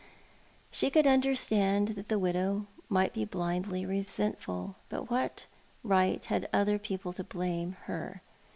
She could understand that the widow might be blindly resentful, but what right had other people to blame her